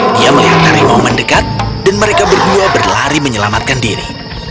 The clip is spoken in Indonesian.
dia melihat harimau mendekat dan mereka berdua berlari menyelamatkan diri